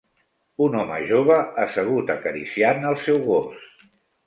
un home jove assegut acariciant el seu gos